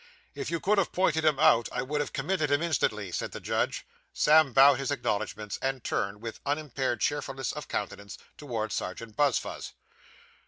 'If you could have pointed him out, I would have committed him instantly,' said the judge. Sam bowed his acknowledgments and turned, with unimpaired cheerfulness of countenance, towards Serjeant Buzfuz.